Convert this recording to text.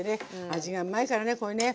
味がうまいからねこれね。